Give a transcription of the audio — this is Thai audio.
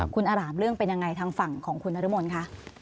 คุณอารามเรื่องเป็นยังไงทางฝั่งของคุณนรมนคะ